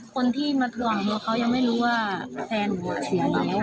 คนที่มาถ่วงเขาเขายังไม่รู้ว่าแฟนเหลือเสียไง